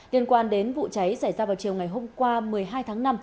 liên quan đến vụ cháy xảy ra vào chiều ngày hôm qua một mươi hai tháng năm